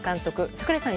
櫻井さん。